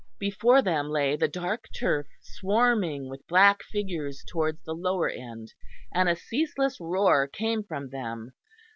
Before them lay the dark turf, swarming with black figures towards the lower end; and a ceaseless roar came from them.